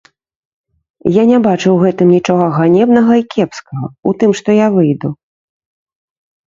Я не бачу ў гэтым нічога ганебнага і кепскага, у тым, што я выйду.